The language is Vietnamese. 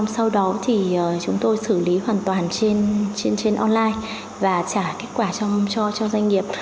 sau đó thì chúng tôi xử lý hoàn toàn trên online và trả kết quả cho doanh nghiệp